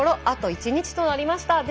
あと１日となりました。